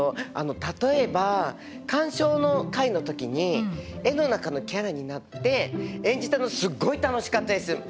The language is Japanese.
例えば「鑑賞」の回の時に絵の中のキャラになって演じたのすっごい楽しかったです！